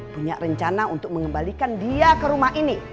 punya rencana untuk mengembalikan dia ke rumah ini